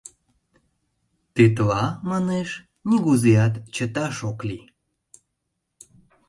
Тетла, манеш, нигузеат чыташ ок лий.